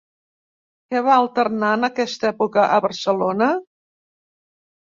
Què va alternar en aquesta època a Barcelona?